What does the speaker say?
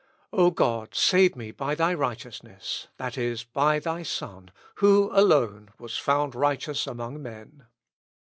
O God, save me by thy righteousness, that is, by thy Son, who alone was found righteous among men."